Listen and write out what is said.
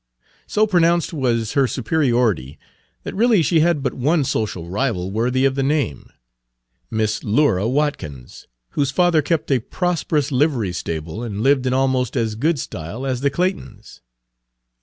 So pronounced was her superiority that really she had but one social rival worthy of the name, Miss Lura Watkins, whose father kept a prosperous livery stable and lived in almost as good style as the Claytons.